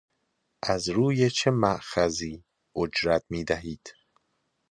از روی چه مأخذی اجرت میدهید